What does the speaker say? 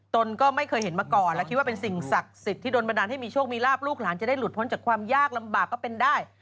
ตนก็ไม่เคยเห็นมาก่อนและคิดว่าเป็นสิ่งศักดิ์สิทธิ์ที่โดนบันดาลให้มีโชคมีลาบลูกหลานจะได้หลุดพ้นจากความยากลำบากก็เป็นได้